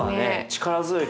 力強い。